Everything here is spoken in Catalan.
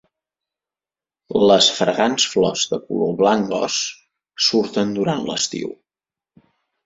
Les fragants flors de color blanc os surten durant l'estiu.